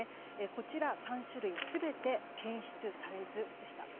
こちらの３種類全て検出されずでした。